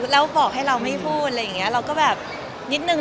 แล้วบอกให้เราไม่พูดเราก็แบบนิดหนึ่ง